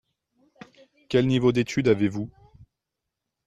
Quel niveau d'étude avez-vous ?